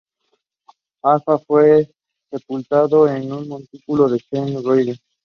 Halfdan fue sepultado en un montículo en Stein de Ringerike.